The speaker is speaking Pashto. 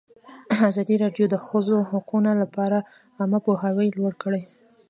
ازادي راډیو د د ښځو حقونه لپاره عامه پوهاوي لوړ کړی.